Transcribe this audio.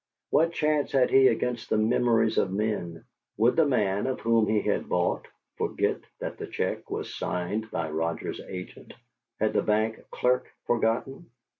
What chance had he against the memories of men? Would the man of whom he had bought, forget that the check was signed by Roger's agent? Had the bank clerk forgotten?